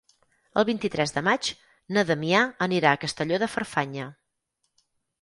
El vint-i-tres de maig na Damià anirà a Castelló de Farfanya.